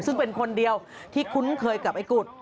ซึ่งเป็นคนเดียวที่คุ้นเคยกับไอ้กุฎ